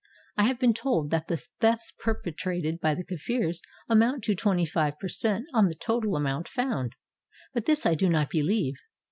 I have been told that the thefts perpetrated by the Kafirs amount to twenty five per cent on the total amount found; — but this I do not believe.